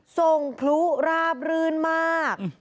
ส่งพลุราบรื่นมาก